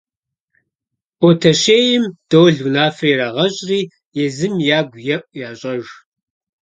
Ботэщейм Дол унафэ ирагъэщӀри езым ягу еӀу ящӀэж.